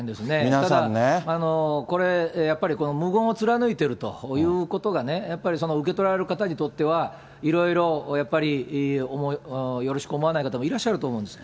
ただやっぱりこの無言を貫いているということが、やっぱり受け取られる方にとっては、いろいろやっぱり、よろしく思わない方もいらっしゃると思うんですね。